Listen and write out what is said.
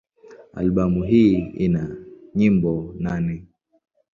Albamu hii ina nyimbo nane.